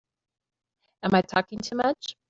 Am I talking too much?